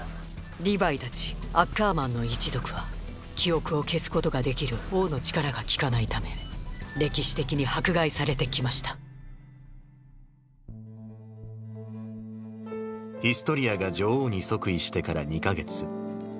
リヴァイたちアッカーマンの一族は記憶を消すことができる王の力が効かないため歴史的に迫害されてきましたヒストリアが女王に即位してから２か月。